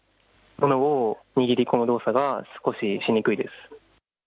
物を握り込む動作が少ししにくいです。